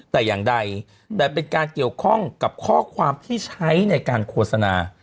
แต่อย่างใดแต่เป็นการเกี่ยวข้องกับข้อความที่ใช้ในการโฆษณา